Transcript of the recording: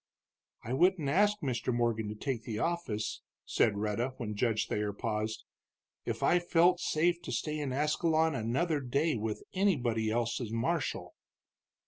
"I wouldn't ask Mr. Morgan to take the office," said Rhetta when Judge Thayer paused, "if I felt safe to stay in Ascalon another day with anybody else as marshal."